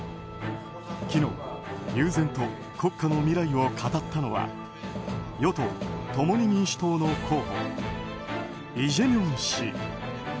昨日、悠然と国家の未来を語ったのは与党・共に民主党の候補イ・ジェミョン氏。